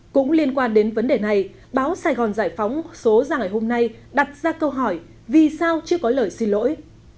cũng liên quan đến vấn đề này báo sài gòn giải phóng số ra ngày hôm nay đặt ra câu hỏi vì sao chưa có lời xin lỗi